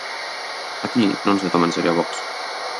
Aquí non se toma en serio a Vox.